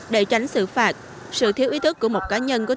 để tránh xử phạt sự thiếu ý thức của một cá nhân có